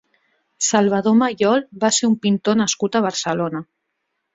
Salvador Mayol va ser un pintor nascut a Barcelona.